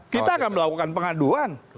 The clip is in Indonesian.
kita akan melakukan pengaduan